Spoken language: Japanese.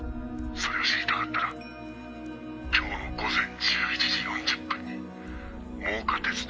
「それを知りたかったら今日の午前１１時４０分に真岡鐵道